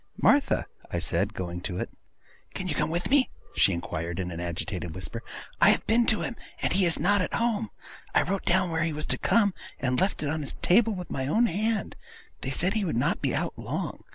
'Martha!' said I, going to it. 'Can you come with me?' she inquired, in an agitated whisper. 'I have been to him, and he is not at home. I wrote down where he was to come, and left it on his table with my own hand. They said he would not be out long.